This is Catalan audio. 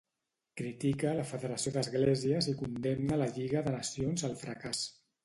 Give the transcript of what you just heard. Critica la federació d'esglésies i condemna la Lliga de Nacions al fracàs.